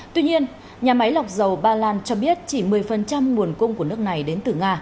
tuy nhiên nhà máy lọc dầu ba lan cho biết chỉ một mươi nguồn cung của nước này đến từ nga